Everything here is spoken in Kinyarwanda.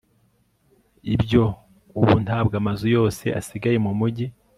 Ibyo ubu ntabwo amazu yose asigaye mumujyi